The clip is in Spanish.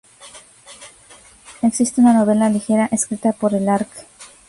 Existe una novela ligera escrita por el Arq.